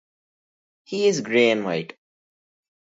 He is grey and white.